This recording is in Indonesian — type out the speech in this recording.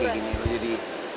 gak mau kayak gini gue jadi